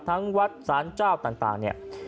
วัดสารเจ้าต่างเนี่ย